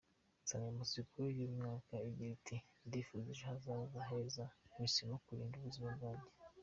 Insanganyamatsiko y’uyu mwaka igiri iti,”Ndifuza ejo hazaza heza; mpisemo kurinda ubuzima bwanjye”.